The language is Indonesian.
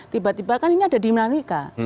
tiba tiba kan ini ada dinamika